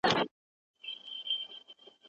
لکه زړه د عاشق ډک د کندهار دي